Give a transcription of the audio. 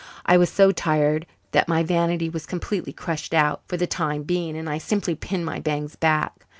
I was so tired that my vanity was completely crushed out for the time being and I simply pinned my bangs back.